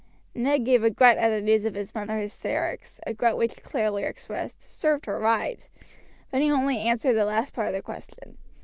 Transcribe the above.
Ned gave a grunt at the news of his mother's hysterics a grunt which clearly expressed "served her right," but he only answered the last part of the question.